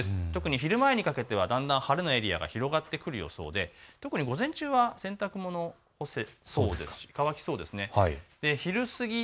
昼前にかけてはだんだん晴れのエリアが広がってくる予想で特に午前中は洗濯物、干せそうですし乾きそうです。